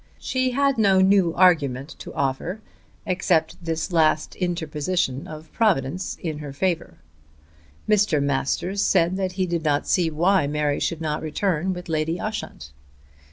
She had no new argument to offer, except this last interposition of Providence in her favour. Mr. Masters said that he did not see why Mary should not return with Lady Ushant.